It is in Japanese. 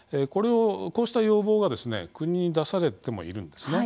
こうした要望が国に出されてもいるんですね。